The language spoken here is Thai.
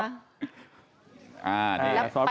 เอาภูมิใจไทยออกก่อนนะครับ